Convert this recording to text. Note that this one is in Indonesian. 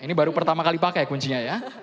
ini baru pertama kali pakai kuncinya ya